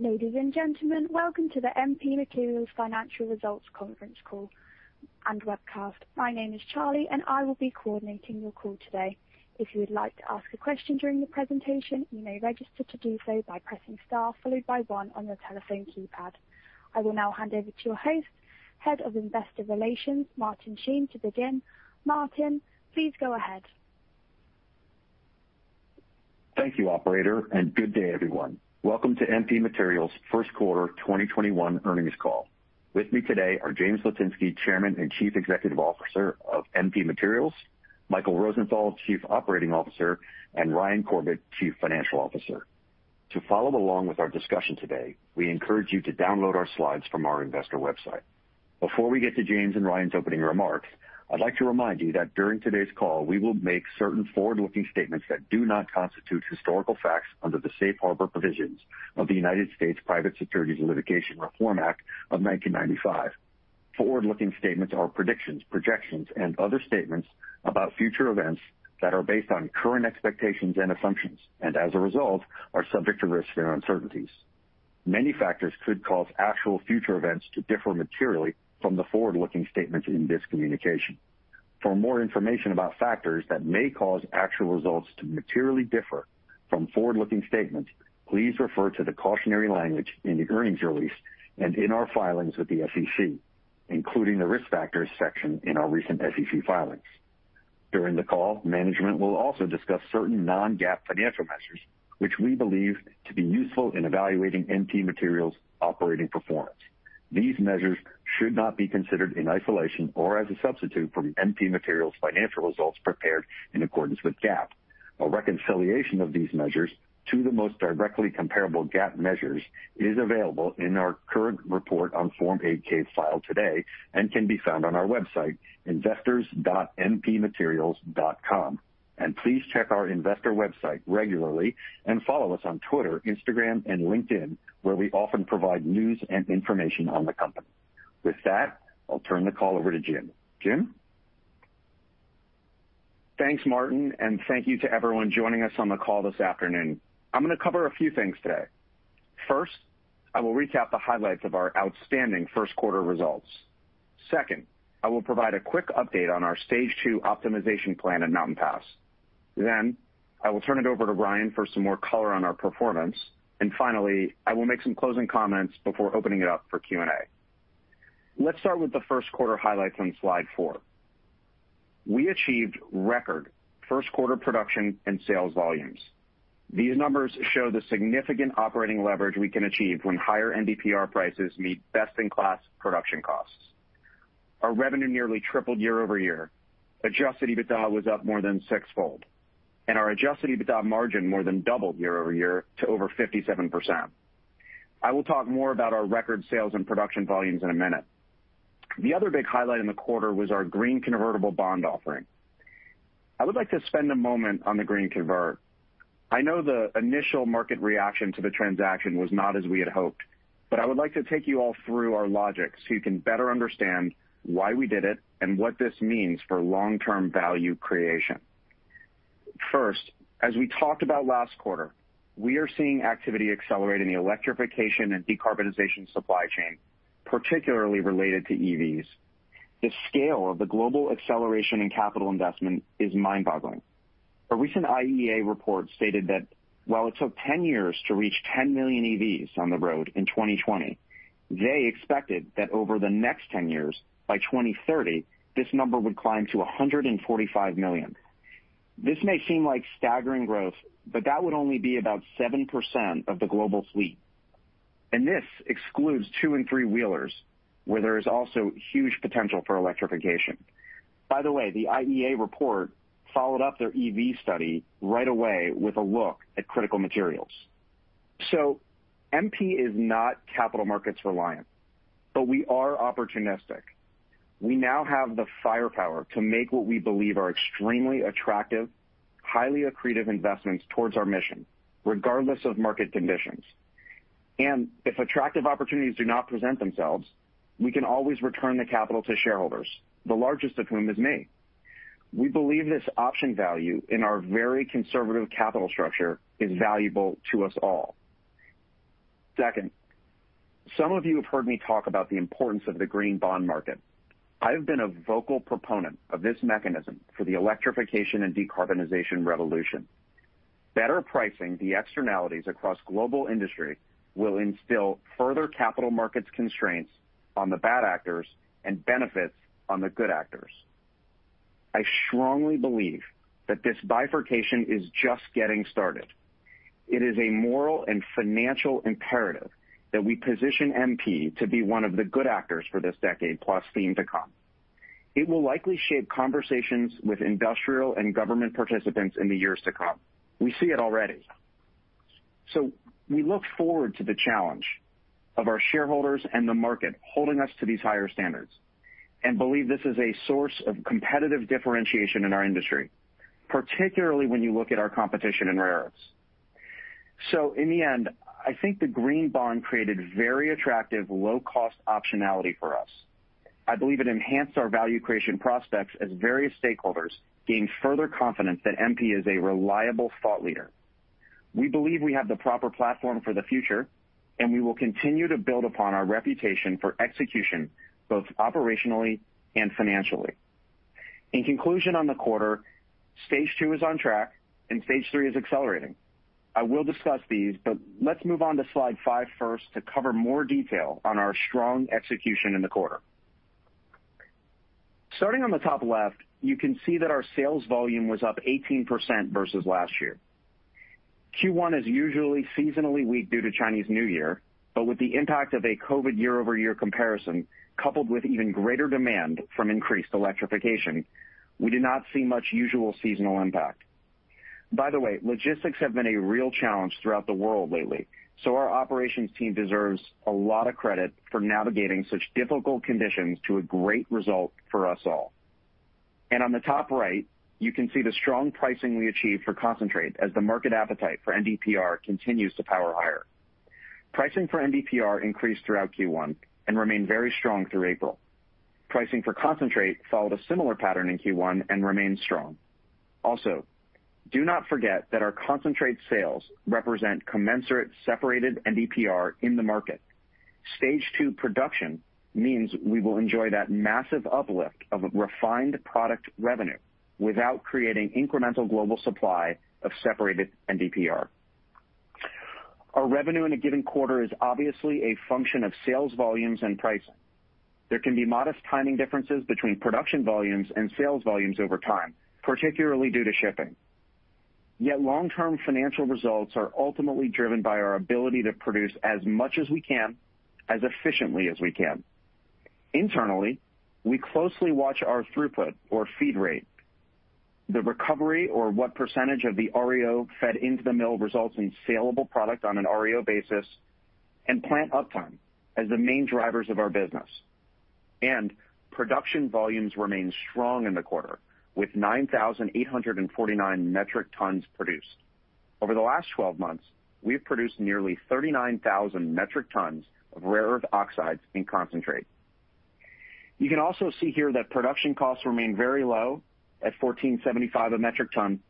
Ladies and gentlemen, welcome to the MP Materials Financial Results Conference Call and Webcast. My name is Charlie, and I will be coordinating your call today. If you would like to ask a question during the presentation, you may register to do so by pressing star followed by one on your telephone keypad. I will now hand over to your host, Head of Investor Relations, Martin Sheehan, to begin. Martin, please go ahead. Thank you, operator, and good day, everyone. Welcome to MP Materials' Q1 2021 earnings call. With me today are James Litinsky, Chairman and Chief Executive Officer of MP Materials, Michael Rosenthal, Chief Operating Officer, and Ryan Corbett, Chief Financial Officer. To follow along with our discussion today, we encourage you to download our slides from our investor website. Before we get to James and Ryan's opening remarks, I'd like to remind you that during today's call, we will make certain forward-looking statements that do not constitute historical facts under the safe harbor provisions of the United States Private Securities Litigation Reform Act of 1995. Forward-looking statements are predictions, projections, and other statements about future events that are based on current expectations and assumptions, and as a result, are subject to risks and uncertainties. Many factors could cause actual future events to differ materially from the forward-looking statements in this communication. For more information about factors that may cause actual results to materially differ from forward-looking statements, please refer to the cautionary language in the earnings release and in our filings with the SEC, including the Risk Factors section in our recent SEC filings. During the call, management will also discuss certain non-GAAP financial measures, which we believe to be useful in evaluating MP Materials' operating performance. These measures should not be considered in isolation or as a substitute for MP Materials' financial results prepared in accordance with GAAP. A reconciliation of these measures to the most directly comparable GAAP measures is available in our current report on Form 8-K filed today and can be found on our website, investors.mpmaterials.com. Please check our investor website regularly and follow us on Twitter, Instagram, and LinkedIn, where we often provide news and information on the company. With that, I'll turn the call over to Jim. Jim? Thanks, Martin, and thank you to everyone joining us on the call this afternoon. I'm going to cover a few things today. First, I will recap the highlights of our outstanding Q1 results. Second, I will provide a quick update on our stage two optimization plan at Mountain Pass. I will turn it over to Ryan for some more color on our performance. Finally, I will make some closing comments before opening it up for Q&A. Let's start with Q1 highlights on slide four. We achieved record Q1 production and sales volumes. These numbers show the significant operating leverage we can achieve when higher NdPr prices meet best-in-class production costs. Our revenue nearly tripled year-over-year. Adjusted EBITDA was up more than sixfold, and our adjusted EBITDA margin more than doubled year-over-year to over 57%. I will talk more about our record sales and production volumes in a minute. The other big highlight in the quarter was our green convertible bond offering. I would like to spend a moment on the green convert. I know the initial market reaction to the transaction was not as we had hoped. I would like to take you all through our logic so you can better understand why we did it and what this means for long-term value creation. First, as we talked about last quarter, we are seeing activity accelerate in the electrification and decarbonization supply chain, particularly related to EVs. The scale of the global acceleration in capital investment is mind-boggling. A recent IEA report stated that while it took 10 years to reach 10 million EVs on the road in 2020, they expected that over the next 10 years, by 2030, this number would climb to 145 million. This may seem like staggering growth, but that would only be about 7% of the global fleet. This excludes two and three-wheelers, where there is also huge potential for electrification. By the way, the IEA report followed up their EV study right away with a look at critical materials. MP is not capital markets reliant, but we are opportunistic. We now have the firepower to make what we believe are extremely attractive, highly accretive investments towards our mission, regardless of market conditions. If attractive opportunities do not present themselves, we can always return the capital to shareholders, the largest of whom is me. We believe this option value in our very conservative capital structure is valuable to us all. Second, some of you have heard me talk about the importance of the green bond market. I have been a vocal proponent of this mechanism for the electrification and decarbonization revolution. Better pricing the externalities across global industry will instill further capital markets constraints on the bad actors and benefits on the good actors. I strongly believe that this bifurcation is just getting started. It is a moral and financial imperative that we position MP to be one of the good actors for this decade-plus theme to come. It will likely shape conversations with industrial and government participants in the years to come. We see it already. We look forward to the challenge of our shareholders and the market holding us to these higher standards and believe this is a source of competitive differentiation in our industry, particularly when you look at our competition in rare earths. In the end, I think the green bond created very attractive low-cost optionality for us. I believe it enhanced our value creation prospects as various stakeholders gained further confidence that MP is a reliable thought leader. We believe we have the proper platform for the future, and we will continue to build upon our reputation for execution, both operationally and financially. In conclusion on the quarter, stage two is on track and stage three is accelerating. I will discuss these, but let's move on to slide five first to cover more detail on our strong execution in the quarter. Starting on the top left, you can see that our sales volume was up 18% versus last year. Q1 is usually seasonally weak due to Chinese New Year, but with the impact of a COVID year-over-year comparison, coupled with even greater demand from increased electrification, we did not see much usual seasonal impact. By the way, logistics have been a real challenge throughout the world lately, our operations team deserves a lot of credit for navigating such difficult conditions to a great result for us all. On the top right, you can see the strong pricing we achieved for concentrate as the market appetite for NdPr continues to power higher. Pricing for NdPr increased throughout Q1 and remained very strong through April. Pricing for concentrate followed a similar pattern in Q1 and remained strong. Do not forget that our concentrate sales represent commensurate separated NdPr in the market. Stage two production means we will enjoy that massive uplift of refined product revenue without creating incremental global supply of separated NdPr. Our revenue in a given quarter is obviously a function of sales volumes and pricing. There can be modest timing differences between production volumes and sales volumes over time, particularly due to shipping. Yet long-term financial results are ultimately driven by our ability to produce as much as we can, as efficiently as we can. Internally, we closely watch our throughput or feed rate, the recovery or what percentage of the REO fed into the mill results in sellable product on an REO basis, and plant uptime as the main drivers of our business. Production volumes remained strong in the quarter with 9,849 metric tons produced. Over the last 12 months, we have produced nearly 39,000 metric tons of rare earth oxides in concentrate. You can also see here that production costs remain very low at $1,475 a metric ton.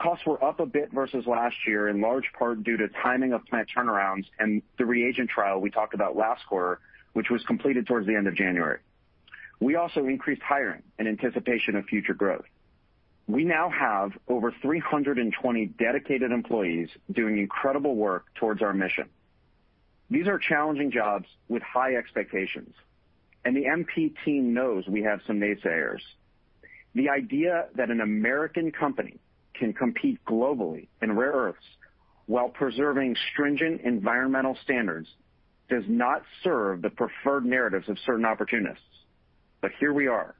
Costs were up a bit versus last year in large part due to timing of plant turnarounds and the reagent trial we talked about last quarter, which was completed towards the end of January. We also increased hiring in anticipation of future growth. We now have over 320 dedicated employees doing incredible work towards our mission. These are challenging jobs with high expectations, and the MP team knows we have some naysayers. The idea that an American company can compete globally in rare earths while preserving stringent environmental standards does not serve the preferred narratives of certain opportunists, but here we are.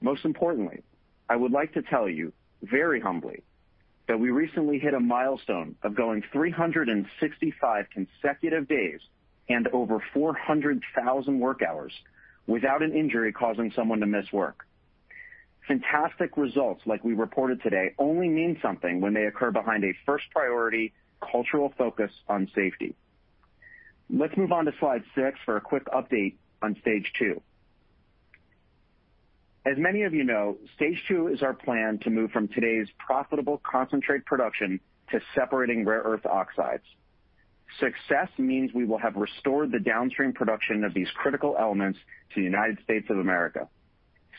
Most importantly, I would like to tell you very humbly that we recently hit a milestone of going 365 consecutive days and over 400,000 work hours without an injury causing someone to miss work. Fantastic results like we reported today only mean something when they occur behind a first priority cultural focus on safety. Let's move on to slide six for a quick update on stage two. As many of you know, stage 2 is our plan to move from today's profitable concentrate production to separating rare earth oxides. Success means we will have restored the downstream production of these critical elements to the United States of America.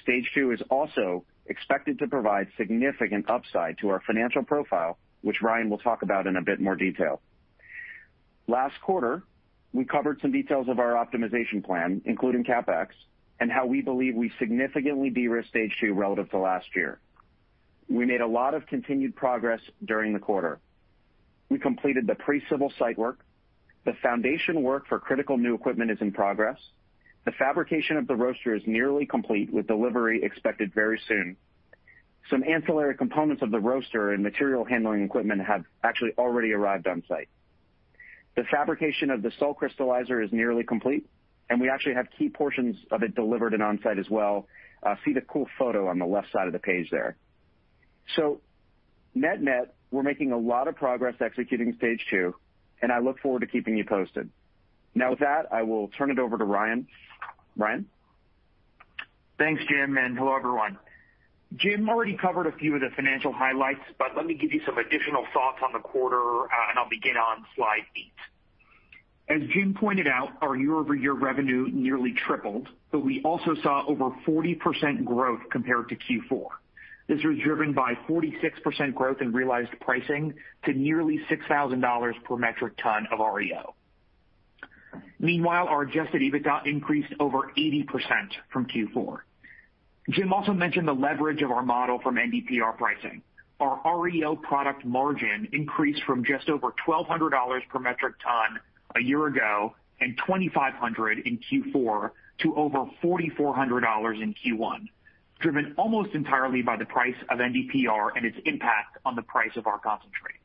Stage two is also expected to provide significant upside to our financial profile, which Ryan will talk about in a bit more detail. Last quarter, we covered some details of our optimization plan, including CapEx, and how we believe we significantly derisked stage two relative to last year. We made a lot of continued progress during the quarter. We completed the pre-civil site work. The foundation work for critical new equipment is in progress. The fabrication of the roaster is nearly complete with delivery expected very soon. Some ancillary components of the roaster and material handling equipment have actually already arrived on site. The fabrication of the solvent extraction crystallizer is nearly complete, and we actually have key portions of it delivered and on site as well. See the cool photo on the left side of the page there. Net-net, we're making a lot of progress executing stage two, and I look forward to keeping you posted. Now with that, I will turn it over to Ryan. Ryan? Thanks, Jim, and hello, everyone. Jim already covered a few of the financial highlights, but let me give you some additional thoughts on the quarter, and I'll begin on slide eight. As Jim pointed out, our year-over-year revenue nearly tripled, we also saw over 40% growth compared to Q4. This was driven by 46% growth in realized pricing to nearly $6,000 per metric ton of REO. Meanwhile, our adjusted EBITDA increased over 80% from Q4. Jim also mentioned the leverage of our model from NdPr pricing. Our REO product margin increased from just over $1,200 per metric ton a year ago and $2,500 in Q4 to over $4,400 in Q1, driven almost entirely by the price of NdPr and its impact on the price of our concentrate.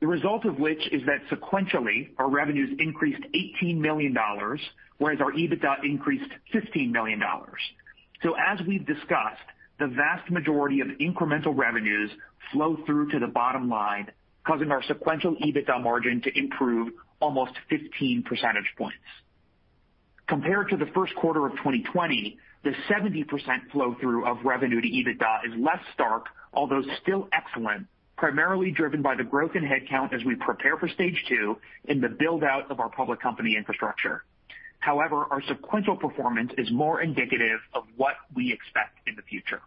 The result of which is that sequentially, our revenues increased $18 million, whereas our EBITDA increased $15 million. As we've discussed, the vast majority of incremental revenues flow through to the bottom line, causing our sequential EBITDA margin to improve almost 15 percentage points. Compared to the first quarter of 2020, the 70% flow-through of revenue to EBITDA is less stark, although still excellent, primarily driven by the growth in headcount as we prepare for stage two in the build-out of our public company infrastructure. Our sequential performance is more indicative of what we expect in the future.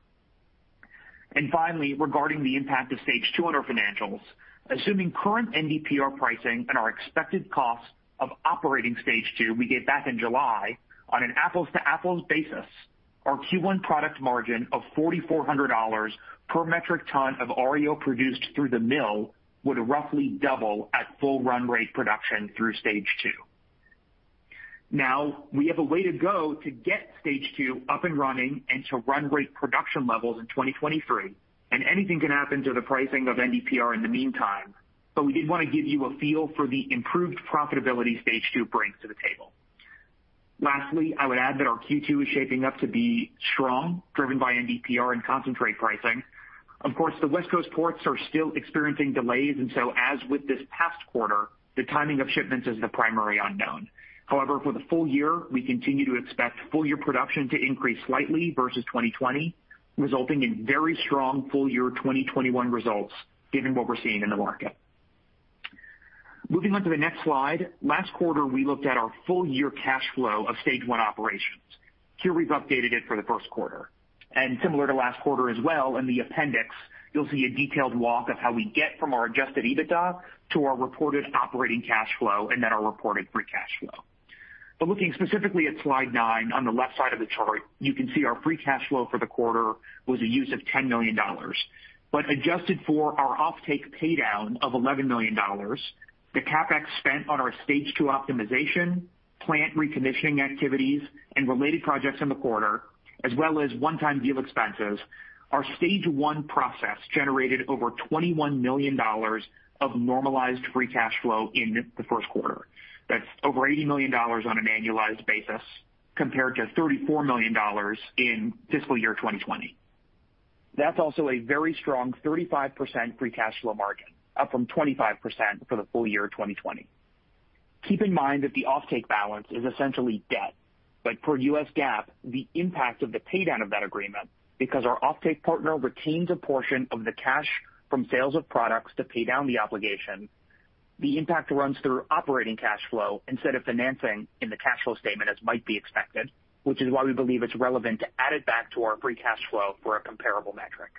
Finally, regarding the impact of stage two on our financials, assuming current NdPr pricing and our expected cost of operating stage two we gave back in July, on an apples-to-apples basis, our Q1 product margin of $4,400 per metric ton of REO produced through the mill would roughly double at full run rate production through stage two. We have a way to go to get stage two up and running and to run rate production levels in 2023. Anything can happen to the pricing of NdPr in the meantime. We did want to give you a feel for the improved profitability stage two brings to the table. Lastly, I would add that our Q2 is shaping up to be strong, driven by NdPr and concentrate pricing. Of course, the West Coast ports are still experiencing delays. As with this past quarter, the timing of shipments is the primary unknown. However, for the full year, we continue to expect full year production to increase slightly versus 2020, resulting in very strong full year 2021 results given what we're seeing in the market. Moving on to the next slide. Last quarter, we looked at our full year cash flow of stage 1 operations. Here we've updated it for the Q1. Similar to last quarter as well, in the appendix, you'll see a detailed walk of how we get from our adjusted EBITDA to our reported operating cash flow and then our reported free cash flow. Looking specifically at slide nine, on the left side of the chart, you can see our free cash flow for the quarter was a use of $10 million. Adjusted for our offtake paydown of $11 million, the CapEx spent on our stage two optimization, plant reconditioning activities, and related projects in the quarter, as well as one-time deal expenses, our stage 1 process generated over $21 million of normalized free cash flow in Q1. That's over $80 million on an annualized basis compared to $34 million in fiscal year 2020. That's also a very strong 35% free cash flow margin, up from 25% for the full year 2020. Keep in mind that the offtake balance is essentially debt. Per US GAAP, the impact of the paydown of that agreement, because our offtake partner retains a portion of the cash from sales of products to pay down the obligation, the impact runs through operating cash flow instead of financing in the cash flow statement as might be expected, which is why we believe it's relevant to add it back to our free cash flow for a comparable metric.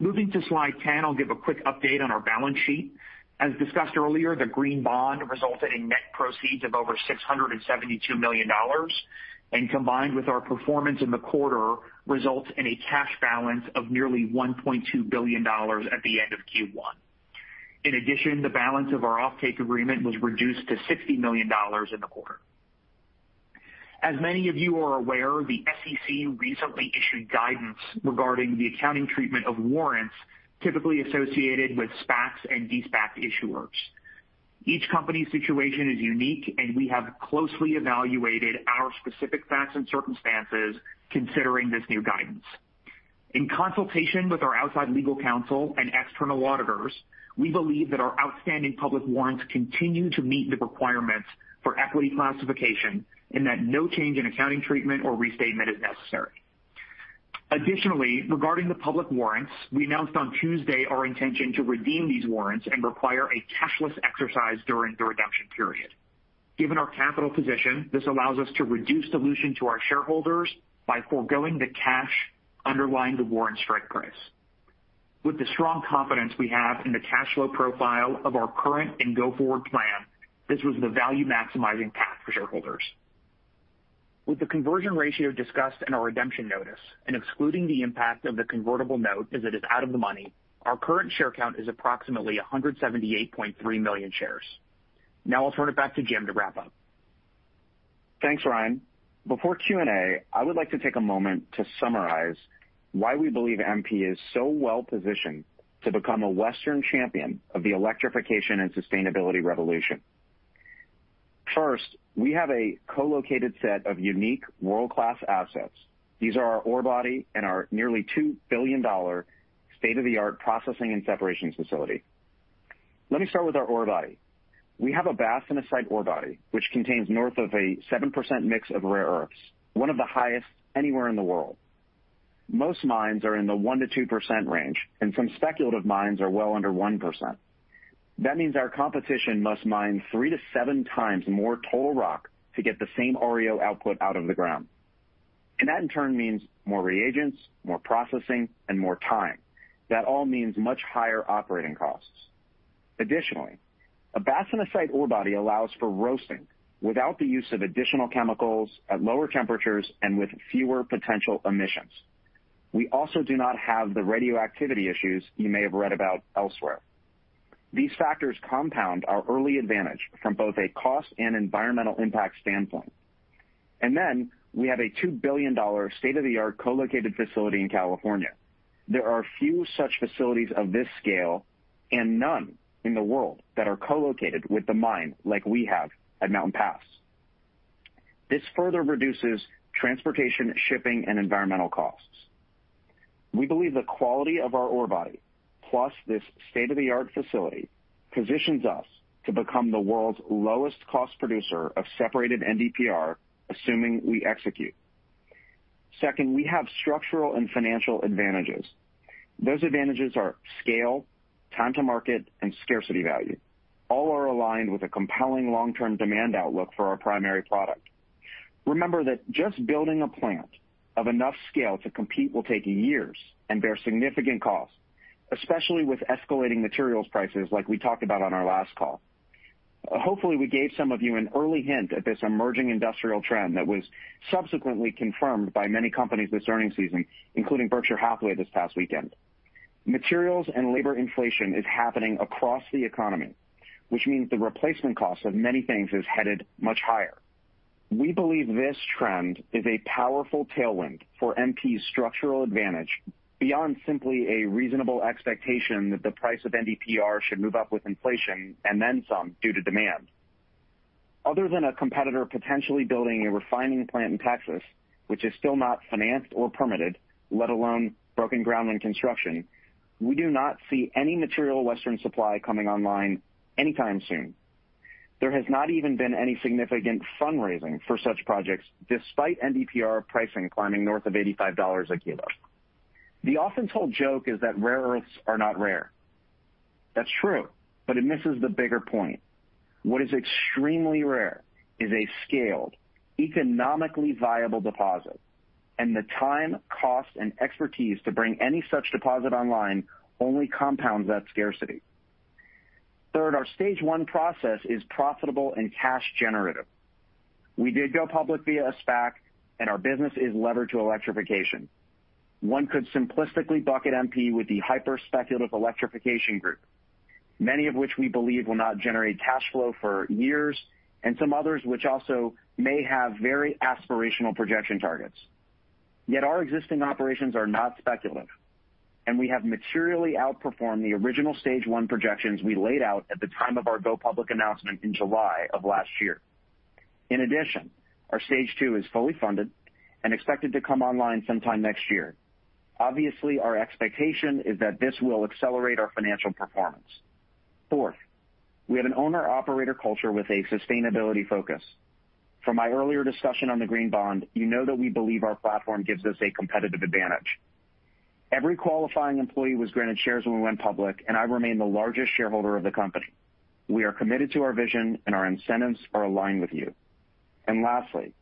Moving to slide 10, I'll give a quick update on our balance sheet. As discussed earlier, the green bond resulted in net proceeds of over $672 million, and combined with our performance in the quarter, results in a cash balance of nearly $1.2 billion at the end of Q1. In addition, the balance of our offtake agreement was reduced to $60 million in the quarter. As many of you are aware, the SEC recently issued guidance regarding the accounting treatment of warrants typically associated with SPACs and De-SPAC issuers. Each company's situation is unique, and we have closely evaluated our specific facts and circumstances considering this new guidance. In consultation with our outside legal counsel and external auditors, we believe that our outstanding public warrants continue to meet the requirements for equity classification and that no change in accounting treatment or restatement is necessary. Additionally, regarding the public warrants, we announced on Tuesday our intention to redeem these warrants and require a cashless exercise during the redemption period. Given our capital position, this allows us to reduce dilution to our shareholders by foregoing the cash underlying the warrant strike price. With the strong confidence we have in the cash flow profile of our current and go-forward plan, this was the value-maximizing path for shareholders. With the conversion ratio discussed in our redemption notice and excluding the impact of the convertible note as it is out of the money, our current share count is approximately 178.3 million shares. I'll turn it back to Jim to wrap up. Thanks, Ryan. Before Q&A, I would like to take a moment to summarize why we believe MP is so well-positioned to become a Western champion of the electrification and sustainability revolution. First, we have a co-located set of unique world-class assets. These are our ore body and our nearly $2 billion state-of-the-art processing and separation facility. Let me start with our ore body. We have a bastnasite ore body, which contains north of a 7% mix of rare earths, one of the highest anywhere in the world. Most mines are in the 1%-2% range, and some speculative mines are well under 1%. That means our competition must mine three to seven times more toll rock to get the same REO output out of the ground. That in turn means more reagents, more processing, and more time. That all means much higher operating costs. Additionally, a bastnasite ore body allows for roasting without the use of additional chemicals, at lower temperatures, and with fewer potential emissions. We also do not have the radioactivity issues you may have read about elsewhere. These factors compound our early advantage from both a cost and environmental impact standpoint. We have a $2 billion state-of-the-art co-located facility in California. There are few such facilities of this scale, and none in the world that are co-located with the mine like we have at Mountain Pass. This further reduces transportation, shipping, and environmental costs. We believe the quality of our ore body, plus this state-of-the-art facility, positions us to become the world's lowest cost producer of separated NdPr, assuming we execute. Second, we have structural and financial advantages. Those advantages are scale, time to market, and scarcity value. All are aligned with a compelling long-term demand outlook for our primary product. Remember that just building a plant of enough scale to compete will take years and bear significant costs, especially with escalating materials prices like we talked about on our last call. Hopefully, we gave some of you an early hint at this emerging industrial trend that was subsequently confirmed by many companies this earning season, including Berkshire Hathaway this past weekend. Materials and labor inflation is happening across the economy, which means the replacement cost of many things is headed much higher. We believe this trend is a powerful tailwind for MP's structural advantage beyond simply a reasonable expectation that the price of NdPr should move up with inflation and then some due to demand. Other than a competitor potentially building a refining plant in Texas, which is still not financed or permitted, let alone broken ground in construction, we do not see any material western supply coming online anytime soon. There has not even been any significant fundraising for such projects, despite NDPR pricing climbing north of $85 a kilo. The often told joke is that rare earths are not rare. That's true, but it misses the bigger point. What is extremely rare is a scaled, economically viable deposit, and the time, cost, and expertise to bring any such deposit online only compounds that scarcity. Third, our stage 1 process is profitable and cash generative. We did go public via a SPAC, and our business is levered to electrification. One could simplistically bucket MP with the hyper-speculative electrification group, many of which we believe will not generate cash flow for years, and some others which also may have very aspirational projection targets. Our existing operations are not speculative, and we have materially outperformed the original stage 1 projections we laid out at the time of our go-public announcement in July of last year. Our stage two is fully funded and expected to come online sometime next year. Our expectation is that this will accelerate our financial performance. Fourth, we have an owner-operator culture with a sustainability focus. From my earlier discussion on the green bond, you know that we believe our platform gives us a competitive advantage. Every qualifying employee was granted shares when we went public, and I remain the largest shareholder of the company. We are committed to our vision. Our incentives are aligned with you. Lastly,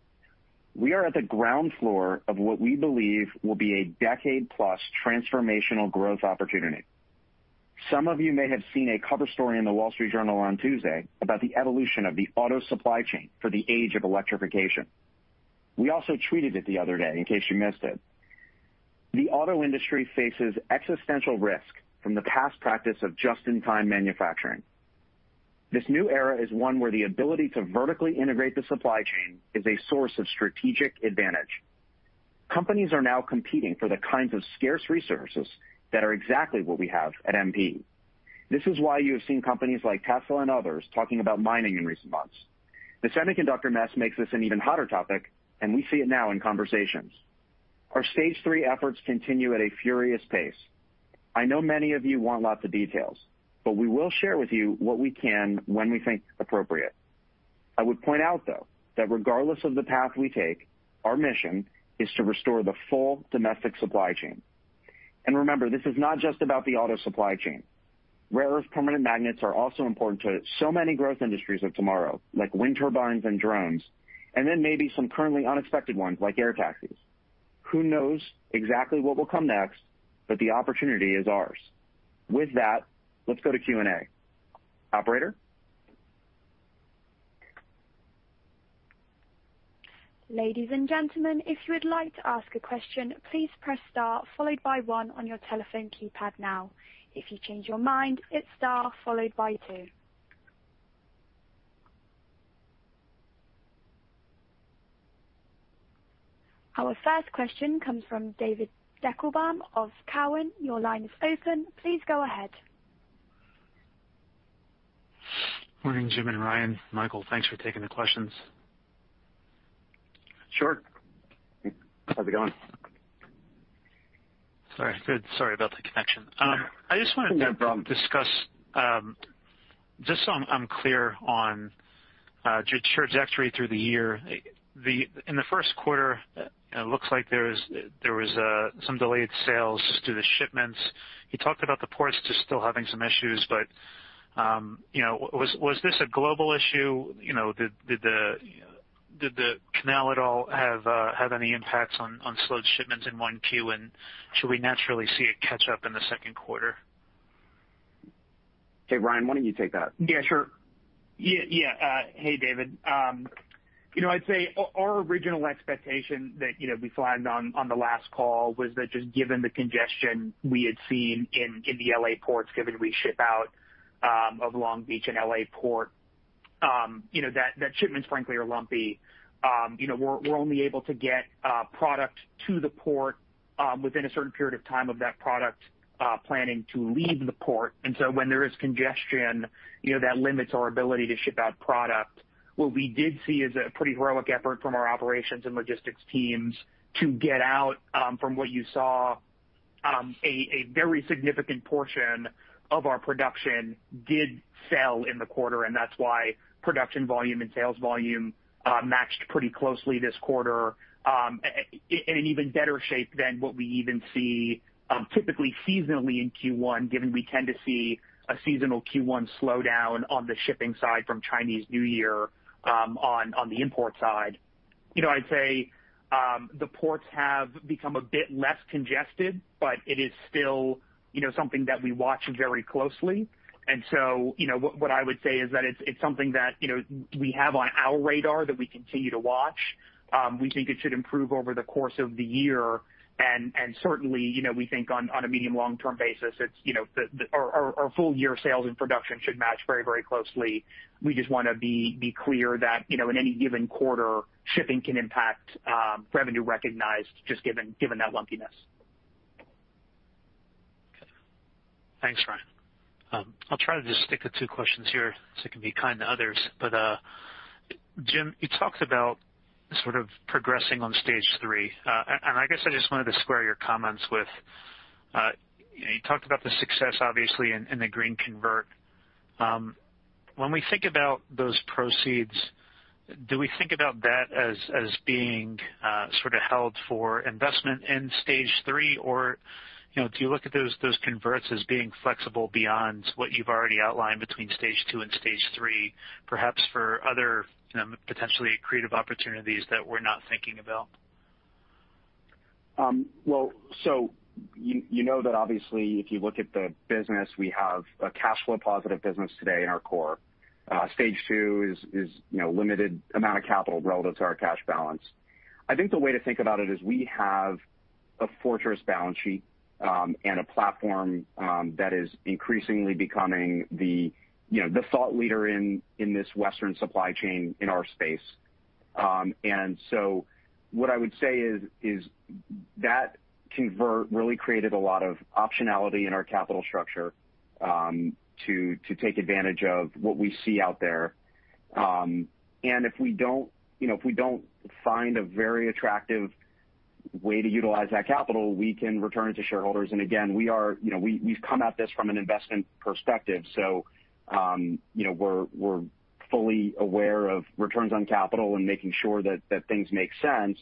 we are at the ground floor of what we believe will be a decade-plus transformational growth opportunity. Some of you may have seen a cover story in The Wall Street Journal on Tuesday about the evolution of the auto supply chain for the age of electrification. We also tweeted it the other day, in case you missed it. The auto industry faces existential risk from the past practice of just-in-time manufacturing. This new era is one where the ability to vertically integrate the supply chain is a source of strategic advantage. Companies are now competing for the kinds of scarce resources that are exactly what we have at MP. This is why you have seen companies like Tesla and others talking about mining in recent months. The semiconductor mess makes this an even hotter topic, and we see it now in conversations. Our stage 3 efforts continue at a furious pace. I know many of you want lots of details, but we will share with you what we can when we think it's appropriate. I would point out, though, that regardless of the path we take, our mission is to restore the full domestic supply chain. Remember, this is not just about the auto supply chain. Rare-earth permanent magnets are also important to so many growth industries of tomorrow, like wind turbines and drones, and then maybe some currently unexpected ones, like air taxis. Who knows exactly what will come next, but the opportunity is ours. With that, let's go to Q&A. Operator? Ladies and gentlemen, if you would like to ask a question, please press star followed by one on your telephone keypad now. If you change your mind, hit star followed by two. Our first question comes from David Deckelbaum of Cowen. Your line is open. Please go ahead. Morning, Jim and Ryan. Michael, thanks for taking the questions. Sure. How's it going? Sorry. Good. Sorry about the connection. No problem. I just wanted to discuss, just so I'm clear on trajectory through the year. In the first quarter, it looks like there was some delayed sales due to shipments. You talked about the ports just still having some issues. Was this a global issue? Did the canal at all have any impacts on slowed shipments in 1Q? Should we naturally see a catch-up in the second quarter? Okay, Ryan, why don't you take that? Yeah, sure. Yeah. Hey, David. I'd say our original expectation that we flagged on the last call was that just given the congestion we had seen in the L.A. ports, given we ship out of Long Beach and L.A. Port That shipments frankly are lumpy. We're only able to get product to the port within a certain period of time of that product planning to leave the port. When there is congestion, that limits our ability to ship out product. What we did see is a pretty heroic effort from our operations and logistics teams to get out from what you saw. A very significant portion of our production did sell in the quarter, and that's why production volume and sales volume matched pretty closely this quarter in an even better shape than what we even see typically seasonally in Q1, given we tend to see a seasonal Q1 slowdown on the shipping side from Chinese New Year on the import side. I'd say the ports have become a bit less congested, but it is still something that we watch very closely. What I would say is that it's something that we have on our radar that we continue to watch. We think it should improve over the course of the year, and certainly, we think on a medium, long-term basis, our full-year sales and production should match very closely. We just want to be clear that in any given quarter, shipping can impact revenue recognized just given that lumpiness. Okay. Thanks, Ryan. I'll try to just stick to two questions here so I can be kind to others. James Litinsky, you talked about sort of progressing on stage three. I guess I just wanted to square your comments with. You talked about the success, obviously, in the green convert. When we think about those proceeds, do we think about that as being sort of held for investment in stage three, or do you look at those converts as being flexible beyond what you've already outlined between stage two and stage three, perhaps for other potentially creative opportunities that we're not thinking about? You know that obviously if you look at the business, we have a cash flow positive business today in our core. Stage two is limited amount of capital relative to our cash balance. I think the way to think about it is we have a fortress balance sheet and a platform that is increasingly becoming the thought leader in this Western supply chain in our space. What I would say is that convert really created a lot of optionality in our capital structure to take advantage of what we see out there. If we don't find a very attractive way to utilize that capital, we can return it to shareholders. Again, we've come at this from an investment perspective. We're fully aware of returns on capital and making sure that things make sense.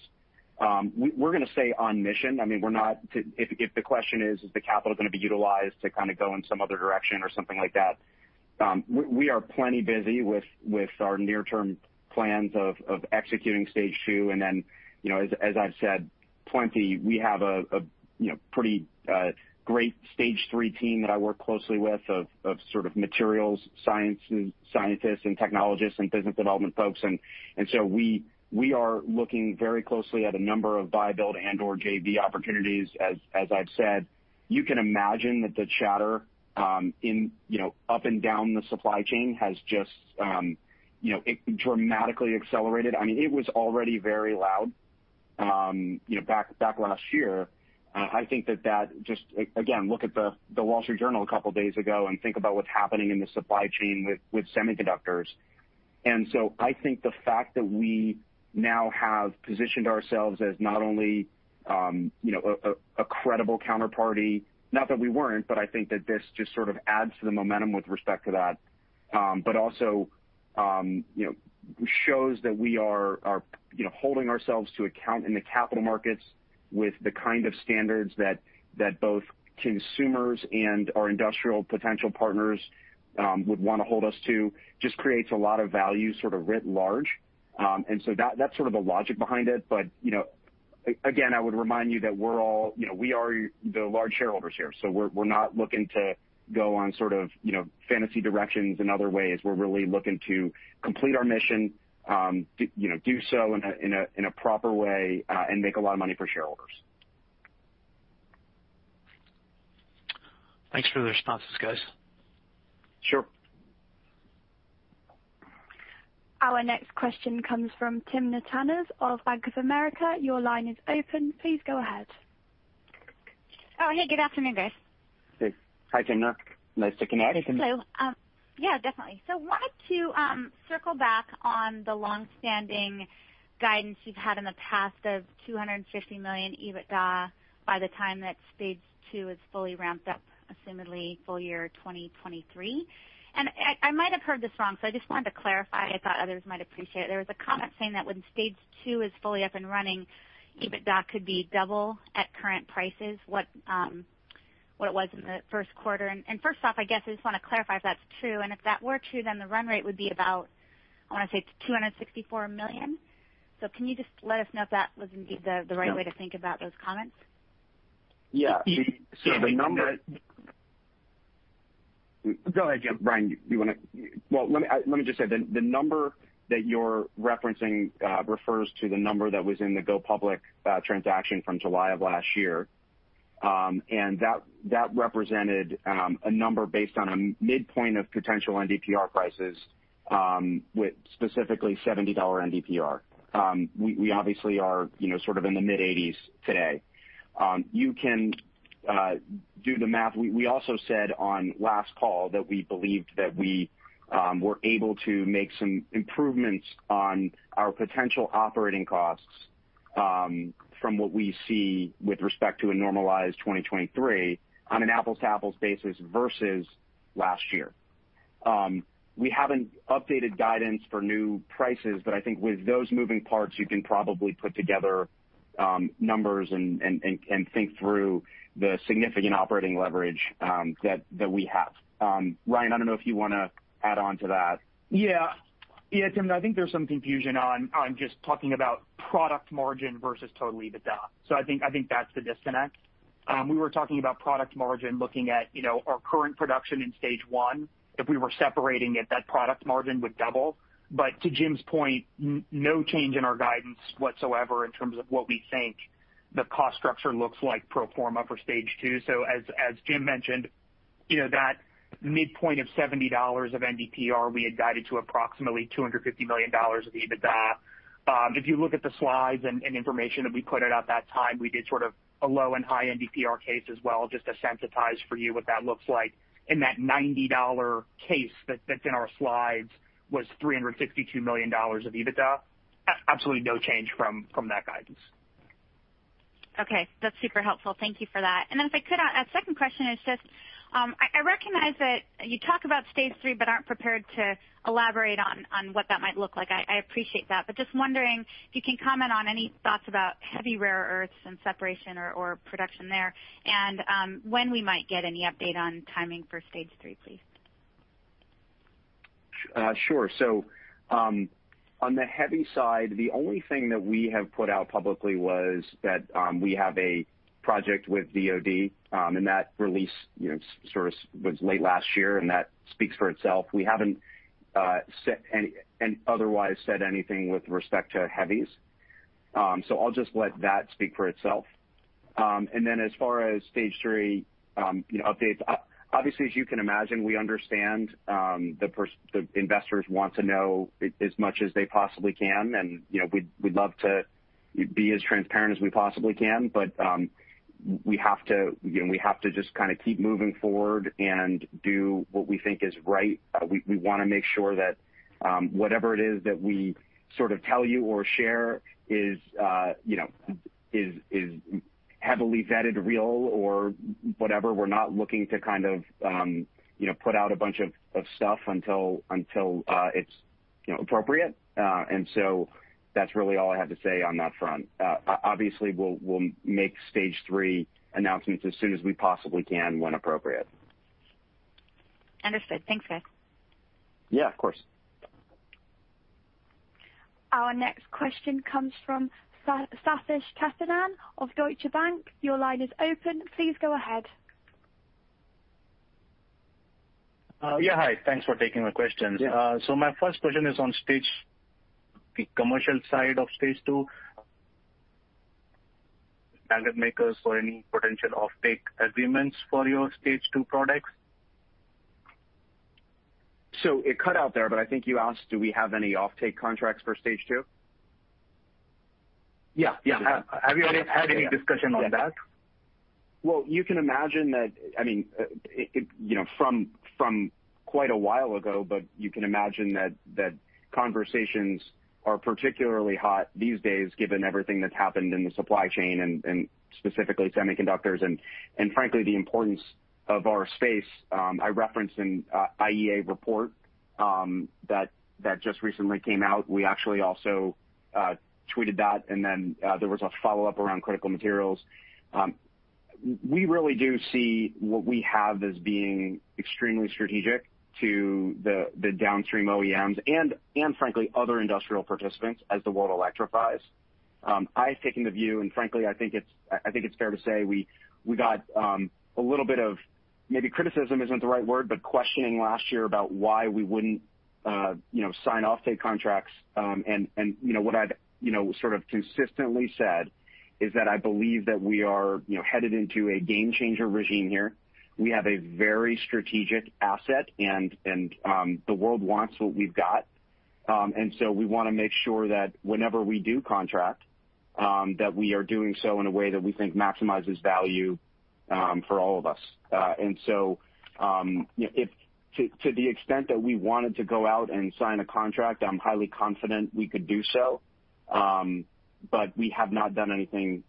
We're going to stay on mission. If the question is the capital going to be utilized to kind of go in some other direction or something like that, we are plenty busy with our near-term plans of executing stage two. As I've said plenty, we have a pretty great stage three team that I work closely with of sort of materials scientists and technologists and business development folks. We are looking very closely at a number of buy, build and/or JV opportunities as I've said. You can imagine that the chatter up and down the supply chain has just dramatically accelerated. It was already very loud back last year. Again, look at The Wall Street Journal a couple of days ago and think about what's happening in the supply chain with semiconductors. I think the fact that we now have positioned ourselves as not only a credible counterparty, not that we weren't, but I think that this just sort of adds to the momentum with respect to that. Also shows that we are holding ourselves to account in the capital markets with the kind of standards that both consumers and our industrial potential partners would want to hold us to just creates a lot of value sort of writ large. That's sort of the logic behind it. Again, I would remind you that we are the large shareholders here, so we're not looking to go on sort of fantasy directions in other ways. We're really looking to complete our mission, do so in a proper way and make a lot of money for shareholders. Thanks for the responses, guys. Sure. Our next question comes from Timna Tunners of Bank of America. Your line is open. Please go ahead. Oh, hey. Good afternoon, guys. Hey. Hi, Timna. Nice talking to you. Hello. Yeah, definitely. Wanted to circle back on the longstanding guidance you've had in the past of $250 million EBITDA by the time that stage two is fully ramped up, assumedly full year 2023. I might have heard this wrong, so I just wanted to clarify. I thought others might appreciate it. There was a comment saying that when stage two is fully up and running, EBITDA could be double at current prices what it was in the first quarter. First off, I guess I just want to clarify if that's true, and if that were true, then the run rate would be about, I want to say, $264 million. Can you just let us know if that was indeed the right way to think about those comments? Yeah. Go ahead, Jim. Ryan, let me just say, the number that you're referencing refers to the number that was in the go-public transaction from July of last year. That represented a number based on a midpoint of potential NDPR prices, with specifically $70 NDPR. We obviously are sort of in the mid-80s today. You can do the math. We also said on last call that we believed that we were able to make some improvements on our potential operating costs from what we see with respect to a normalized 2023 on an apples to apples basis versus last year. We haven't updated guidance for new prices, but I think with those moving parts, you can probably put together numbers and think through the significant operating leverage that we have. Ryan, I don't know if you want to add on to that. Jim, I think there's some confusion on just talking about product margin versus total EBITDA. I think that's the disconnect. We were talking about product margin, looking at our current production in stage 1. If we were separating it, that product margin would double. To Jim's point, no change in our guidance whatsoever in terms of what we think the cost structure looks like pro forma for stage two. As Jim mentioned, that midpoint of $70 of NDPR, we had guided to approximately $250 million of EBITDA. If you look at the slides and information that we put it at that time, we did sort of a low and high NDPR case as well, just to sensitize for you what that looks like in that $90 case that's in our slides was $352 million of EBITDA. Absolutely no change from that guidance. Okay. That's super helpful. Thank you for that. If I could add a second question is just, I recognize that you talk about stage three, but aren't prepared to elaborate on what that might look like. I appreciate that, wondering if you can comment on any thoughts about heavy rare earths and separation or production there, and when we might get any update on timing for stage three, please. Sure. On the heavy side, the only thing that we have put out publicly was that we have a project with DoD, and that release sort of was late last year, and that speaks for itself. We haven't otherwise said anything with respect to heavies. I'll just let that speak for itself. As far as stage three updates, obviously, as you can imagine, we understand the investors want to know as much as they possibly can, and we'd love to be as transparent as we possibly can. We have to just kind of keep moving forward and do what we think is right. We want to make sure that whatever it is that we sort of tell you or share is heavily vetted, real or whatever. We're not looking to kind of put out a bunch of stuff until it's appropriate. That's really all I have to say on that front. Obviously, we'll make stage three announcements as soon as we possibly can when appropriate. Understood. Thanks, guys. Yeah, of course. Our next question comes from Sathish Kasinathan of Deutsche Bank. Your line is open. Please go ahead. Hi. Thanks for taking my questions. Yeah. My first question is on the commercial side of stage two. makers for any potential offtake agreements for your stage two products? It cut out there, but I think you asked, do we have any offtake contracts for stage two? Yeah. Yeah. Have you had any discussion on that? Well, you can imagine that from quite a while ago, but you can imagine that conversations are particularly hot these days given everything that's happened in the supply chain and specifically semiconductors and frankly, the importance of our space. I referenced an IEA report that just recently came out. We actually also tweeted that, and then there was a follow-up around critical materials. We really do see what we have as being extremely strategic to the downstream OEMs and frankly, other industrial participants as the world electrifies. I've taken the view, and frankly, I think it's fair to say we got a little bit of, maybe criticism isn't the right word, but questioning last year about why we wouldn't sign offtake contracts. What I've sort of consistently said is that I believe that we are headed into a game changer regime here. We have a very strategic asset. The world wants what we've got. We want to make sure that whenever we do contract, that we are doing so in a way that we think maximizes value for all of us. To the extent that we wanted to go out and sign a contract, I'm highly confident we could do so, but we have not done anything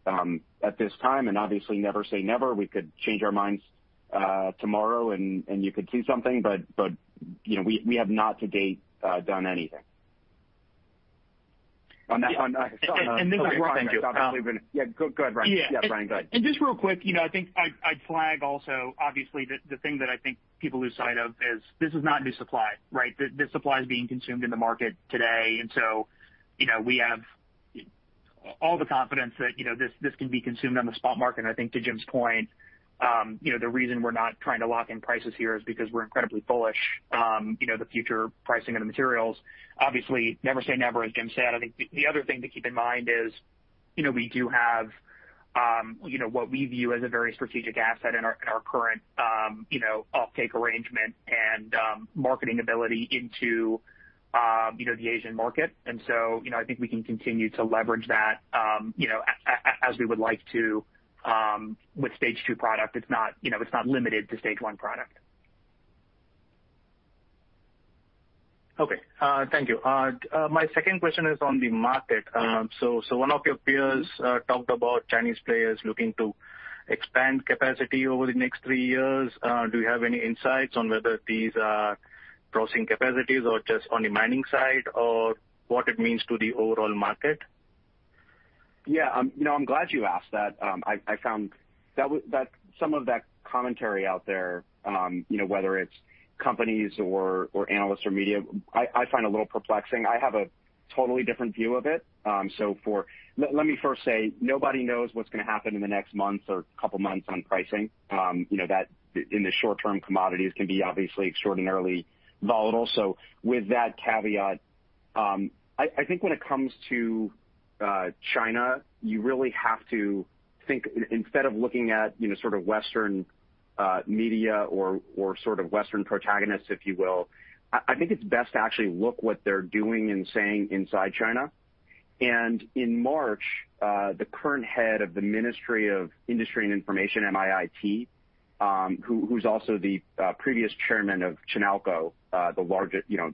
at this time, and obviously never say never. We could change our minds tomorrow, and you could see something, but we have not to date done anything. Ryan- Yeah, Ryan, go ahead. Just real quick, I think I'd flag also, obviously, the thing that I think people lose sight of is this is not new supply, right? This supply is being consumed in the market today, and so we have all the confidence that this can be consumed on the spot market, and I think to Jim's point. The reason we're not trying to lock in prices here is because we're incredibly bullish, the future pricing of the materials. Obviously, never say never, as Jim said. I think the other thing to keep in mind is, we do have what we view as a very strategic asset in our current offtake arrangement and marketing ability into the Asian market. I think we can continue to leverage that as we would like to with stage two product. It's not limited to stage one product. Okay. Thank you. My second question is on the market. One of your peers talked about Chinese players looking to expand capacity over the next three years. Do you have any insights on whether these are processing capacities or just on the mining side, or what it means to the overall market? Yeah. I'm glad you asked that. I found some of that commentary out there, whether it's companies or analysts or media, I find a little perplexing. I have a totally different view of it. Let me first say, nobody knows what's going to happen in the next month or couple of months on pricing. In the short term, commodities can be obviously extraordinarily volatile. With that caveat, I think when it comes to China, you really have to think, instead of looking at Western media or Western protagonists, if you will, I think it's best to actually look what they're doing and saying inside China. In March, the current head of the Ministry of Industry and Information, MIIT, who's also the previous Chairman of Chinalco,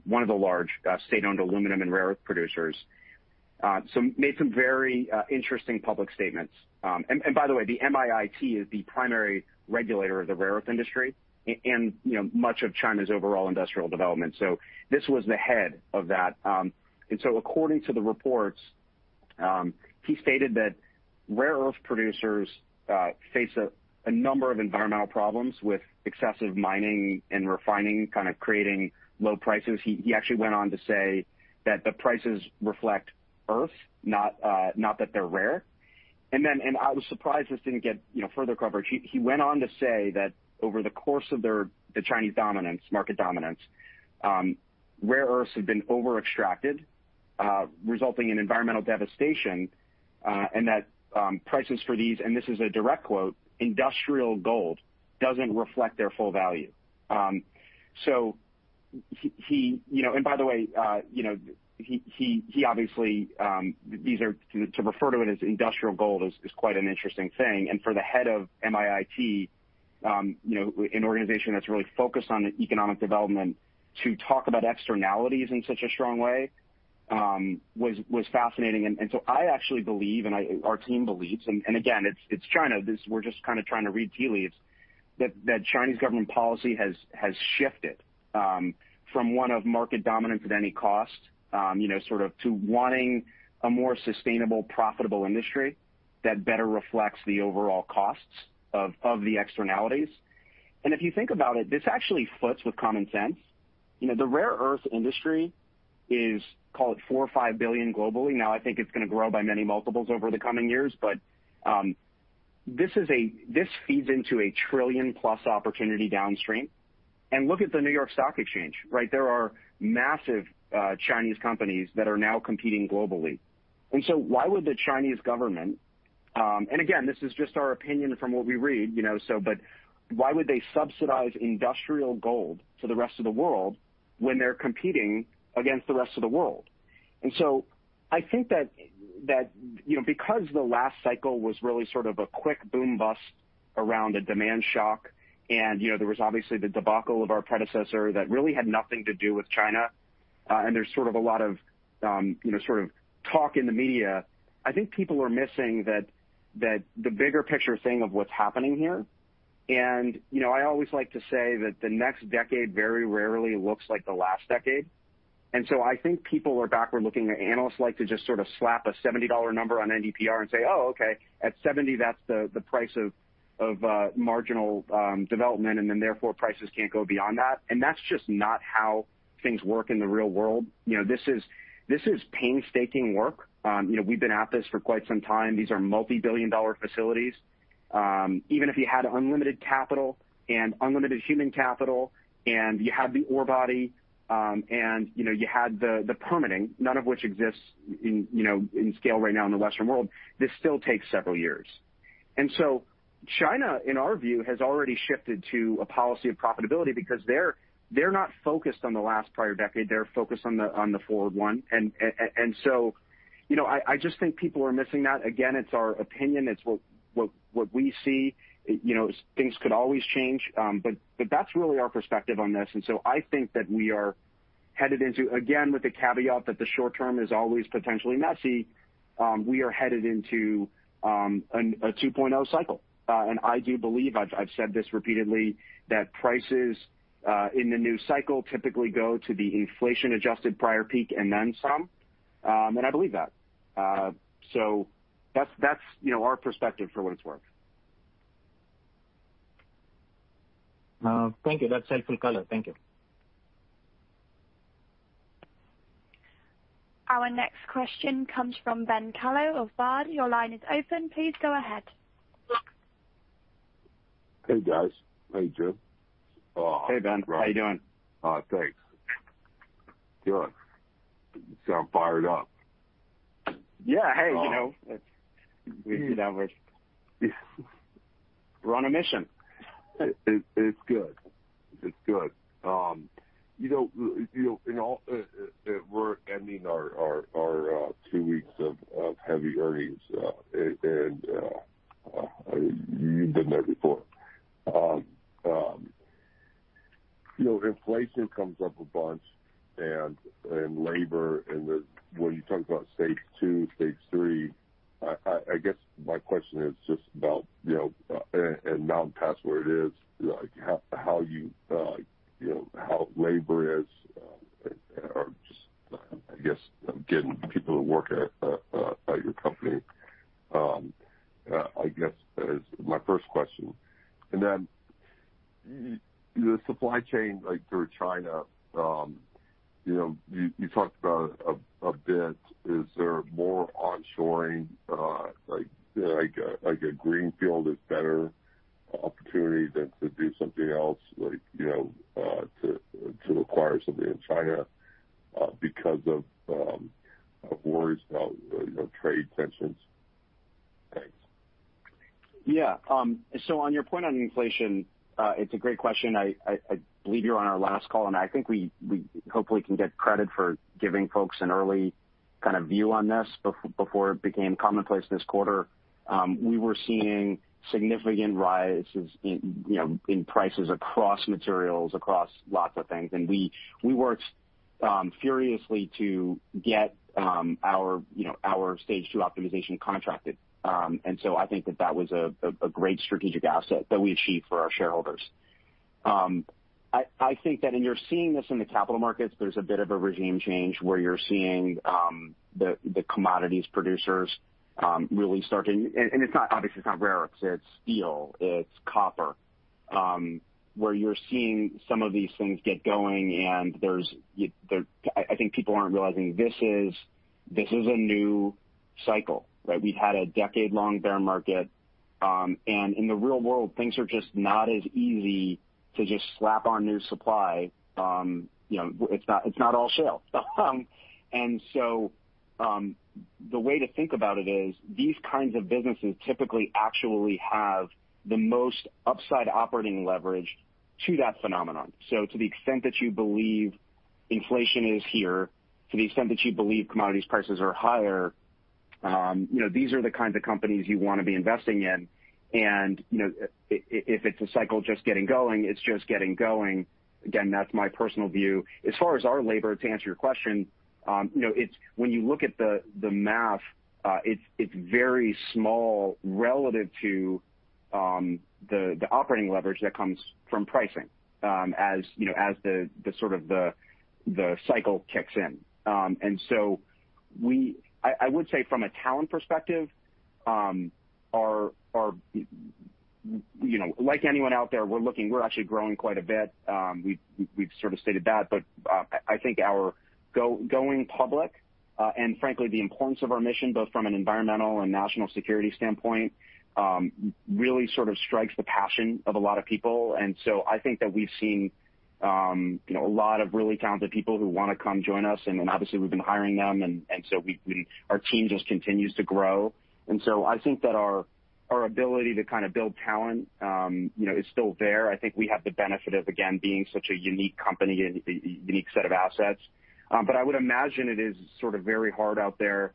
one of the large state-owned aluminum and rare earth producers, made some very interesting public statements. By the way, the MIIT is the primary regulator of the rare earth industry and much of China's overall industrial development. This was the head of that. According to the reports, he stated that rare earth producers face a number of environmental problems with excessive mining and refining, creating low prices. He actually went on to say that the prices reflect earth, not that they're rare. I was surprised this didn't get further coverage. He went on to say that over the course of the Chinese market dominance, rare earths have been over-extracted, resulting in environmental devastation, and that prices for these, and this is a direct quote, Industrial gold doesn't reflect their full value. By the way, to refer to it as industrial gold is quite an interesting thing. For the head of MIIT, an organization that's really focused on economic development, to talk about externalities in such a strong way, was fascinating. So I actually believe, and our team believes, and again, it's China, we're just trying to read tea leaves, that Chinese government policy has shifted from one of market dominance at any cost, to wanting a more sustainable, profitable industry that better reflects the overall costs of the externalities. If you think about it, this actually fits with common sense. The rare earth industry is, call it $4 billion or $5 billion globally. Now, I think it's going to grow by many multiples over the coming years. This feeds into a $1 trillion-plus opportunity downstream. Look at the New York Stock Exchange, right? There are massive Chinese companies that are now competing globally. Why would the Chinese government, and again, this is just our opinion from what we read, but why would they subsidize industrial gold for the rest of the world when they're competing against the rest of the world? I think that because the last cycle was really sort of a quick boom bust around a demand shock, and there was obviously the debacle of our predecessor that really had nothing to do with China, and there's sort of a lot of talk in the media, I think people are missing the bigger picture thing of what's happening here. I always like to say that the next decade very rarely looks like the last decade. I think people are backward-looking, or analysts like to just sort of slap a $70 number on NdPr and say, "Oh, okay. At 70, that's the price of marginal development. Therefore, prices can't go beyond that. That's just not how things work in the real world. This is painstaking work. We've been at this for quite some time. These are multi-billion-dollar facilities. Even if you had unlimited capital and unlimited human capital, and you had the ore body, and you had the permitting, none of which exists in scale right now in the Western world, this still takes several years. China, in our view, has already shifted to a policy of profitability because they're not focused on the last prior decade, they're focused on the forward one. I just think people are missing that. Again, it's our opinion. It's what we see. Things could always change. That's really our perspective on this. I think that we are headed into, again, with the caveat that the short term is always potentially messy, we are headed into a 2.0 cycle. I do believe, I've said this repeatedly, that prices in the new cycle typically go to the inflation-adjusted prior peak and then some. I believe that. That's our perspective for what it's worth. Thank you. That's helpful color. Thank you. Our next question comes from Ben Kallo of Baird. Your line is open. Please go ahead. Hey, guys. Hey, Jim. Hey, Ben. How you doing? Oh, thanks. Good. You sound fired up. Yeah. Hey, we do that. We're on a mission. It's good. We're ending our two weeks of heavy earnings, and you've been there before. Inflation comes up a bunch, and labor and when you talk about stage two, stage three, I guess my question is just about, and now past where it is, how labor is or just, I guess getting people to work at your company, I guess is my first question. Then the supply chain through China. You talked about it a bit. Is there more onshoring like a greenfield is better opportunity than to do something else, to acquire something in China because of worries about trade tensions? Thanks. On your point on inflation, it's a great question. I believe you're on our last call, and I think we hopefully can get credit for giving folks an early kind of view on this before it became commonplace this quarter. We were seeing significant rises in prices across materials, across lots of things. We worked furiously to get our stage two optimization contracted. I think that that was a great strategic asset that we achieved for our shareholders. I think that, and you're seeing this in the capital markets, there's a bit of a regime change where you're seeing the commodities producers. Obviously, it's not rare earths, it's steel, it's copper, where you're seeing some of these things get going and I think people aren't realizing this is a new cycle, right? We've had a decade-long bear market. In the real world, things are just not as easy to just slap on new supply. It's not all shale. The way to think about it is these kinds of businesses typically actually have the most upside operating leverage to that phenomenon. To the extent that you believe inflation is here, to the extent that you believe commodities prices are higher, these are the kinds of companies you want to be investing in. If it's a cycle just getting going, it's just getting going. Again, that's my personal view. As far as our labor, to answer your question, when you look at the math, it's very small relative to the operating leverage that comes from pricing as the cycle kicks in. I would say from a talent perspective, like anyone out there, we're actually growing quite a bit. We've sort of stated that, but I think our going public, and frankly, the importance of our mission, both from an environmental and national security standpoint, really sort of strikes the passion of a lot of people. I think that we've seen a lot of really talented people who want to come join us, and then obviously, we've been hiring them, and so our team just continues to grow. I think that our ability to build talent is still there. I think we have the benefit of, again, being such a unique company and unique set of assets. I would imagine it is sort of very hard out there,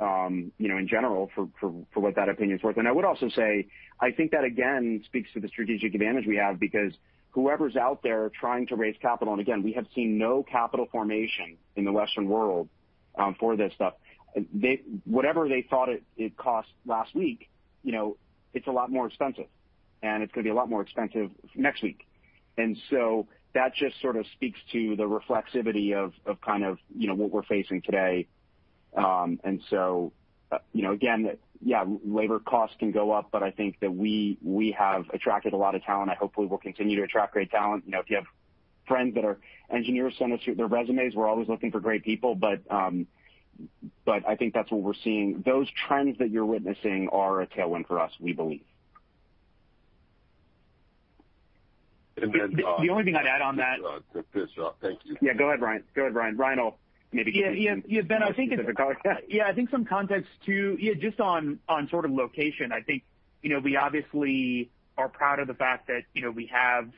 in general, for what that opinion is worth. I would also say, I think that again, speaks to the strategic advantage we have because whoever's out there trying to raise capital, again, we have seen no capital formation in the Western world for this stuff. Whatever they thought it cost last week, it's a lot more expensive, and it's going to be a lot more expensive next week. That just sort of speaks to the reflexivity of what we're facing today. Again, yeah, labor costs can go up, but I think that we have attracted a lot of talent. I hopefully will continue to attract great talent. If you have friends that are engineers, send us their resumes. We're always looking for great people. I think that's what we're seeing. Those trends that you're witnessing are a tailwind for us, we believe. And then- The only thing I'd add on that. This. Thank you. Yeah, go ahead, Ryan. Yeah. Ben, I think it's. Yeah, I think some context too, just on sort of location, I think we obviously are proud of the fact that we have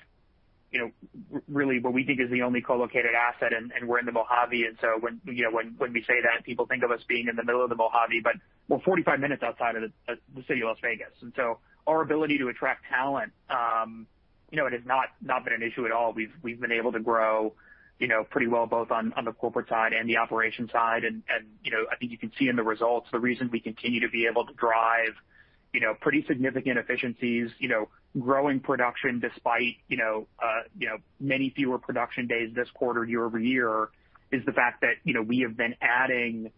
really what we think is the only co-located asset, and we're in the Mojave, so when we say that, people think of us being in the middle of the Mojave, but we're 45 minutes outside of the city of Las Vegas. So our ability to attract talent, it has not been an issue at all. We've been able to grow pretty well, both on the corporate side and the operations side. I think you can see in the results the reasons we continue to be able to drive pretty significant efficiencies, growing production despite many fewer production days this quarter year-over-year is the fact that we have been adding,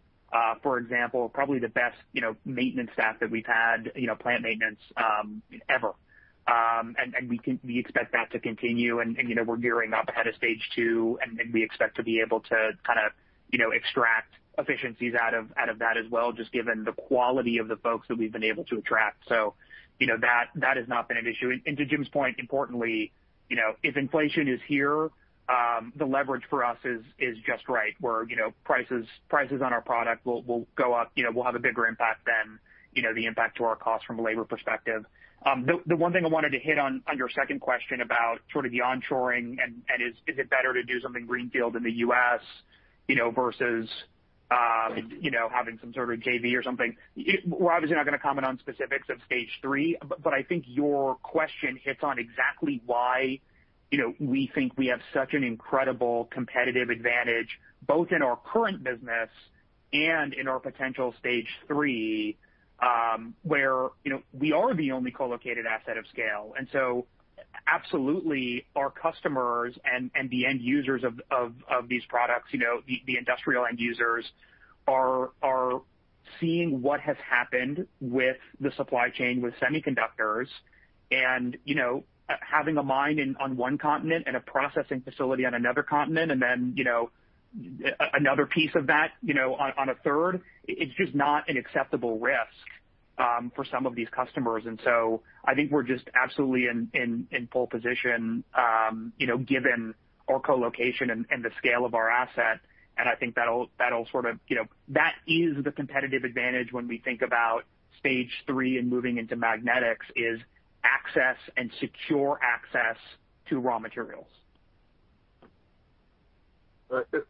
for example, probably the best maintenance staff that we've had, plant maintenance, ever. We expect that to continue and we're gearing up ahead of stage two, and we expect to be able to extract efficiencies out of that as well, just given the quality of the folks that we've been able to attract. That has not been an issue. To James's point, importantly, if inflation is here, the leverage for us is just right, where prices on our product will go up. We'll have a bigger impact than the impact to our costs from a labor perspective. The one thing I wanted to hit on your second question about sort of the on-shoring and is it better to do something greenfield in the U.S., versus having some sort of a JV or something. We're obviously not going to comment on specifics of stage three, I think your question hits on exactly why we think we have such an incredible competitive advantage, both in our current business and in our potential stage three, where we are the only co-located asset of scale. Absolutely, our customers and the end users of these products, the industrial end users, are seeing what has happened with the supply chain with semiconductors and having a mine on one continent and a processing facility on another continent and then, another piece of that on a third. It's just not an acceptable risk for some of these customers. I think we're just absolutely in pole position, given our co-location and the scale of our asset. I think that is the competitive advantage when we think about stage three and moving into magnetics is access and secure access to raw materials.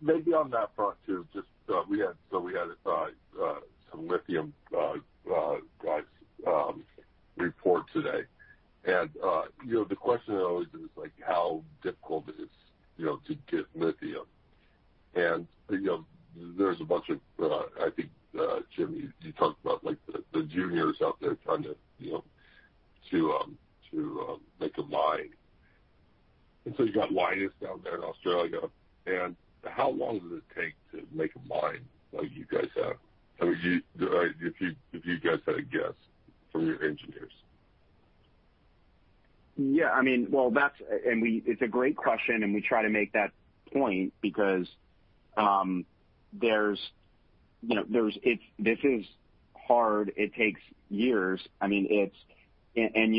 Maybe on that front too, we had some lithium guys report today. The question always is how difficult it is to get lithium. There's a bunch of, I think, Jim, you talked about the juniors out there trying to make a mine. You got Lynas down there in Australia. How long does it take to make a mine like you guys have? If you guys had a guess from your engineers. Yeah. It's a great question, and we try to make that point because this is hard. It takes years. You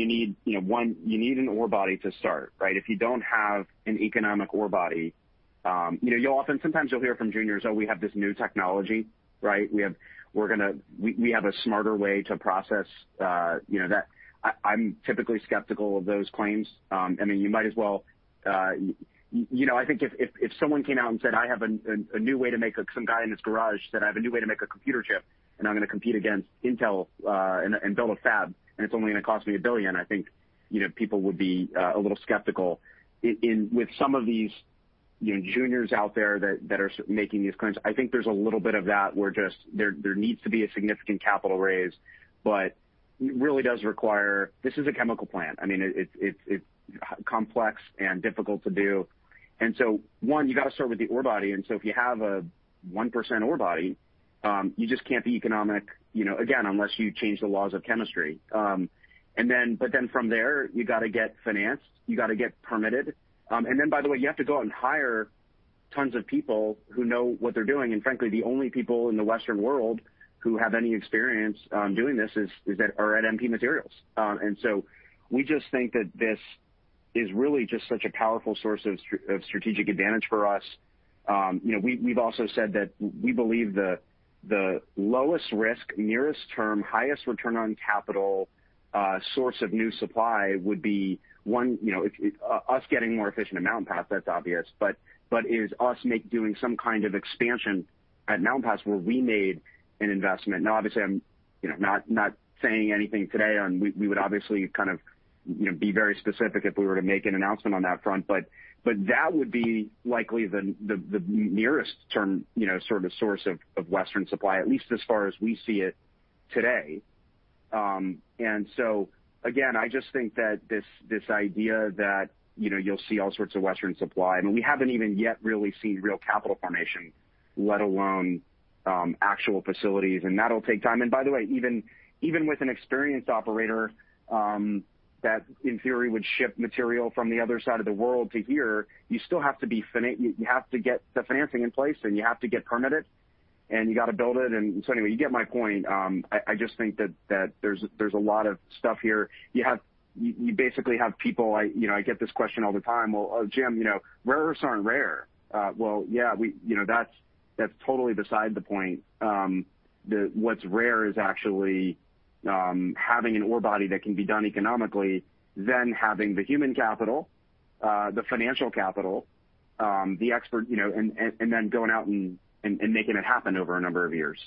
need an ore body to start, right? If you don't have an economic ore body, sometimes you'll hear from juniors, Oh, we have this new technology. Right? We have a smarter way to process. I'm typically skeptical of those claims. I think if someone came out and said, some guy in his garage said, I have a new way to make a computer chip, and I'm going to compete against Intel, and build a fab, and it's only going to cost me $1 billion. I think people would be a little skeptical. With some of these juniors out there that are making these claims, I think there's a little bit of that where there needs to be a significant capital raise, but it really does require This is a chemical plant. It's complex and difficult to do. One, you got to start with the ore body, if you have a 1% ore body, you just can't be economic, again, unless you change the laws of chemistry. From there, you got to get financed, you got to get permitted. By the way, you have to go out and hire tons of people who know what they're doing. Frankly, the only people in the Western world who have any experience doing this are at MP Materials. We just think that this is really just such a powerful source of strategic advantage for us. We've also said that we believe the lowest risk, nearest term, highest return on capital source of new supply would be one, us getting more efficient at Mountain Pass, that's obvious, but is us doing some kind of expansion at Mountain Pass where we made an investment. Obviously, I'm not saying anything today. We would obviously be very specific if we were to make an announcement on that front. That would be likely the nearest term source of Western supply, at least as far as we see it today. Again, I just think that this idea that you'll see all sorts of Western supply, we haven't even yet really seen real capital formation, let alone actual facilities, and that'll take time. By the way, even with an experienced operator, that in theory would ship material from the other side of the world to here, you have to get the financing in place, and you have to get permitted, and you got to build it. Anyway, you get my point. I just think that there's a lot of stuff here. You basically have people, I get this question all the time, Well, Jim, rare earths aren't rare. Well, yeah. That's totally beside the point. What's rare is actually having an ore body that can be done economically, having the human capital, the financial capital, the expert, going out and making it happen over a number of years.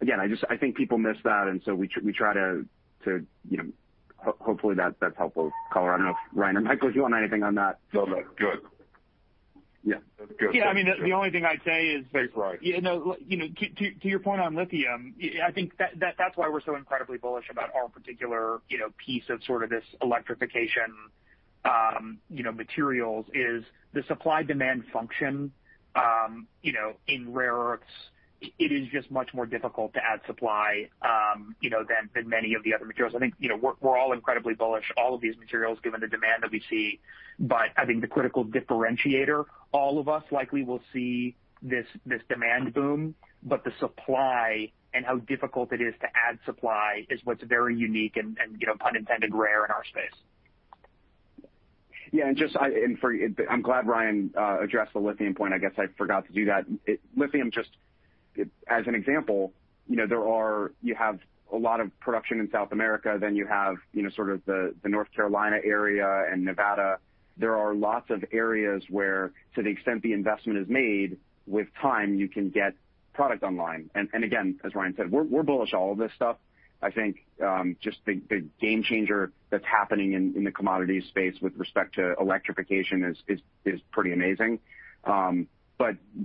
Again, I think people miss that, and so we try to Hopefully that's helpful, Colin. I don't know if Ryan or Michael, do you want anything on that? No, that's good. Yeah. That's good. Yeah. The only thing I'd say is. Thanks, Ryan. To your point on lithium, I think that's why we're so incredibly bullish about our particular piece of sort of this electrification materials is the supply-demand function in rare earths, it is just much more difficult to add supply than many of the other materials. I think we're all incredibly bullish, all of these materials, given the demand that we see. I think the critical differentiator, all of us likely will see this demand boom, but the supply and how difficult it is to add supply is what's very unique and, pun intended, rare in our space. Yeah. I'm glad Ryan addressed the lithium point. I guess I forgot to do that. Lithium, just as an example, you have a lot of production in South America, then you have the North Carolina area and Nevada. There are lots of areas where, to the extent the investment is made, with time you can get product online. Again, as Ryan said, we're bullish on all of this stuff. I think just the game changer that's happening in the commodities space with respect to electrification is pretty amazing.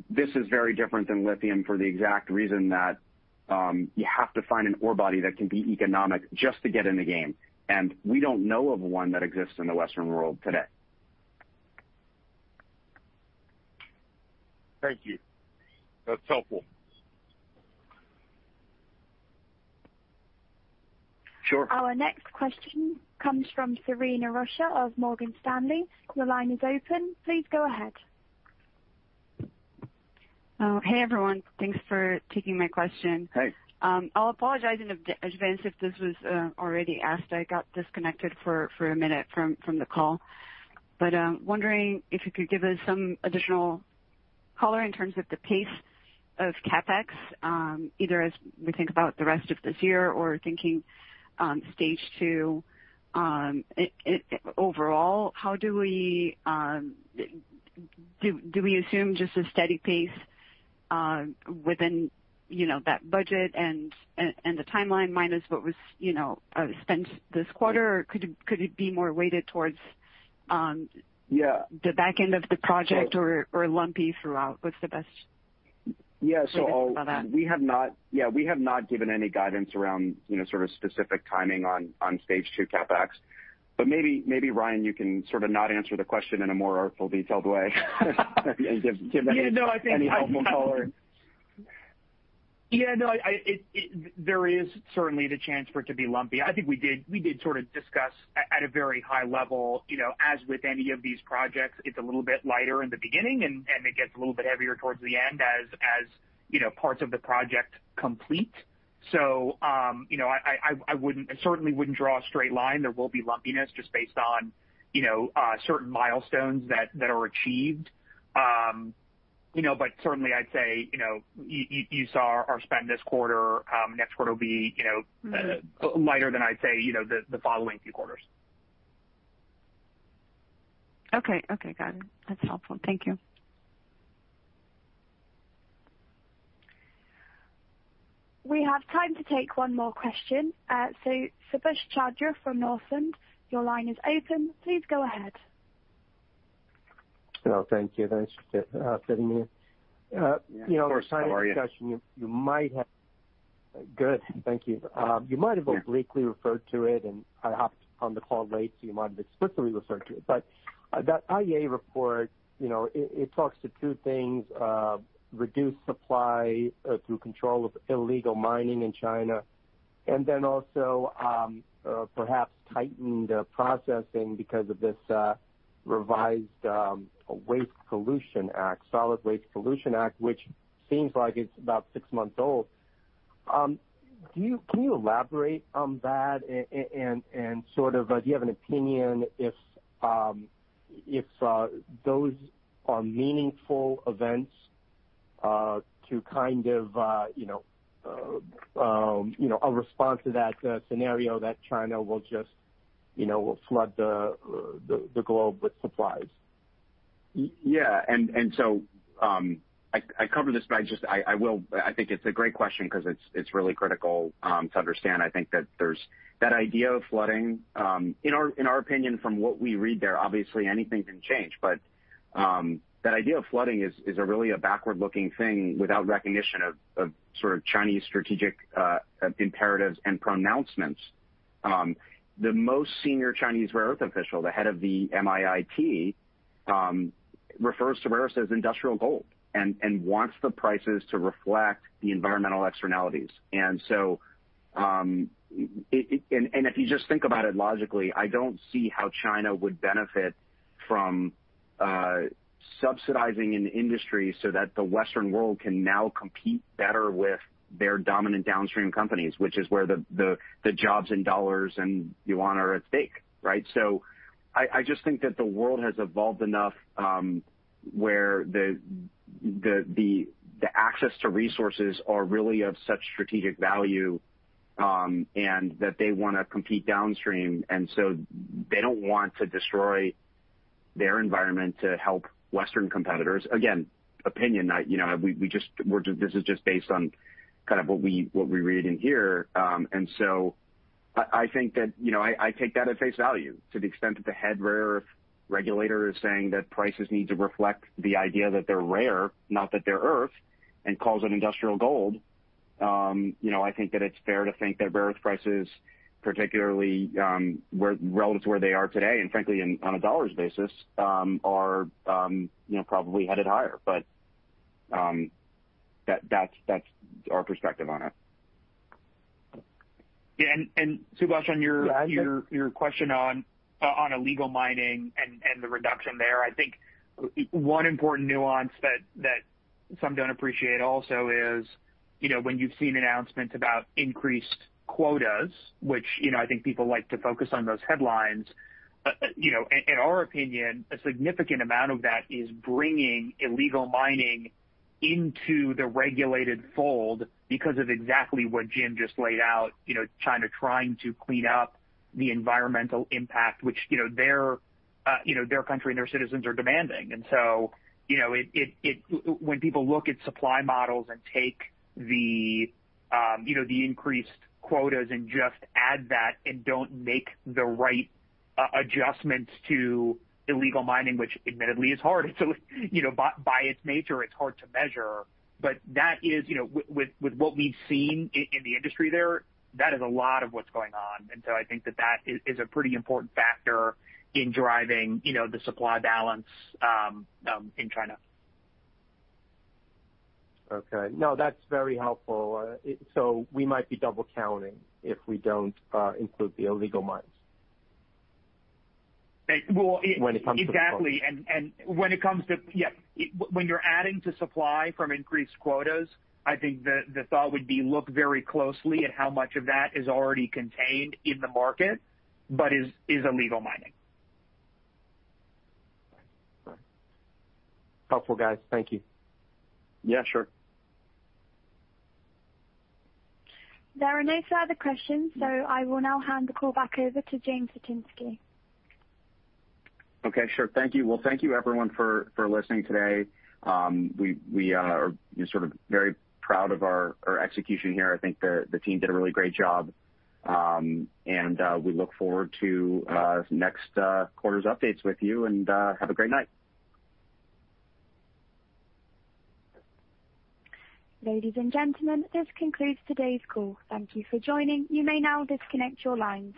This is very different than lithium for the exact reason that you have to find an ore body that can be economic just to get in the game, and we don't know of one that exists in the Western world today. Thank you. That's helpful. Sure. Our next question comes from Corinne Blanchard of Morgan Stanley. Your line is open. Please go ahead. Hey, everyone. Thanks for taking my question. Hey. I'll apologize in advance if this was already asked. I got disconnected for a minute from the call. I'm wondering if you could give us some additional color in terms of the pace of CapEx, either as we think about the rest of this year or thinking stage two. Overall, do we assume just a steady pace within that budget and the timeline minus what was spent this quarter, or could it be more weighted towards? Yeah The back end of the project or lumpy throughout? What's the best way to think about that? Yeah. We have not given any guidance around specific timing on stage two CapEx. Maybe, Ryan, you can not answer the question in a more artful, detailed way. Yeah, no, I think. Any helpful color. Yeah, no, there is certainly the chance for it to be lumpy. I think we did discuss at a very high level, as with any of these projects, it's a little bit lighter in the beginning, and it gets a little bit heavier towards the end as parts of the project complete. I certainly wouldn't draw a straight line. There will be lumpiness just based on certain milestones that are achieved. Certainly, I'd say, you saw our spend this quarter. Next quarter will be lighter than, I'd say, the following few quarters. Okay. Got it. That's helpful. Thank you. We have time to take one more question. Subash Chandra from Northland, your line is open. Please go ahead. Thank you. Thanks for fitting me in. Of course. How are you? Good, thank you. You might have obliquely referred to it, and I hopped on the call late, so you might have explicitly referred to it. That IEA report, it talks to two things, reduced supply through control of illegal mining in China, and then also perhaps tightened processing because of this revised Solid Waste Pollution Act, which seems like it's about six months old. Can you elaborate on that, and do you have an opinion if those are meaningful events to a response to that scenario that China will flood the globe with supplies? I covered this, but I think it's a great question because it's really critical to understand, I think that there's that idea of flooding. In our opinion, from what we read there, obviously anything can change. That idea of flooding is really a backward-looking thing without recognition of Chinese strategic imperatives and pronouncements. The most senior Chinese rare earth official, the head of the MIIT, refers to rare earths as industrial gold and wants the prices to reflect the environmental externalities. If you just think about it logically, I don't see how China would benefit from subsidizing an industry so that the Western world can now compete better with their dominant downstream companies, which is where the jobs and dollars and yuan are at stake, right? I just think that the world has evolved enough where the access to resources are really of such strategic value, and that they want to compete downstream, and so they don't want to destroy their environment to help Western competitors. Again, opinion. This is just based on what we read in here. I think that I take that at face value to the extent that the head rare earth regulator is saying that prices need to reflect the idea that they're rare, not that they're earth, and calls it industrial gold. I think that it's fair to think that bearish prices, particularly relative to where they are today, and frankly, on a dollars basis, are probably headed higher. That's our perspective on it. Yeah. Subhash. Yeah, I. Your question on illegal mining and the reduction there, I think one important nuance that some don't appreciate also is, when you've seen announcements about increased quotas, which I think people like to focus on those headlines. In our opinion, a significant amount of that is bringing illegal mining into the regulated fold because of exactly what Jim just laid out, China trying to clean up the environmental impact, which their country and their citizens are demanding. When people look at supply models and take the increased quotas and just add that and don't make the right adjustments to illegal mining, which admittedly is hard. By its nature, it's hard to measure. With what we've seen in the industry there, that is a lot of what's going on. I think that that is a pretty important factor in driving the supply balance in China. Okay. No, that's very helpful. We might be double counting if we don't include the illegal mines. Well- When it comes to Exactly. When you're adding to supply from increased quotas, I think the thought would be look very closely at how much of that is already contained in the market, but is illegal mining. Right. Helpful, guys. Thank you. Yeah, sure. There are no further questions, so I will now hand the call back over to James Litinsky. Okay, sure. Thank you. Well, thank you everyone for listening today. We are very proud of our execution here. I think the team did a really great job. We look forward to next quarter's updates with you, and have a great night. Ladies and gentlemen, this concludes today's call. Thank you for joining. You may now disconnect your lines.